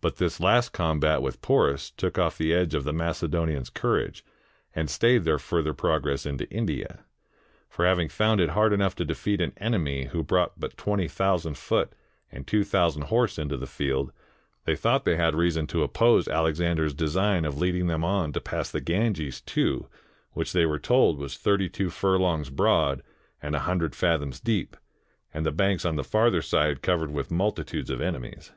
But this last combat with Poms took off the edge of the Macedonians' courage, and stayed their further progress into India. For having found it hard enough to defeat an enemy who brought but twenty thousand foot and two thousand horse into the field, they thought they had reason to oppose Alexander's design of leading them on to pass the Ganges too, which they were told was thirty two furlongs broad and a hundred fathoms deep, and the banks on the farther side covered with multitudes of enemies.